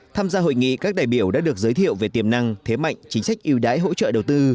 tham gia hội nghị các đại biểu đã được giới thiệu về tiềm năng thế mạnh chính sách yêu đái hỗ trợ đầu tư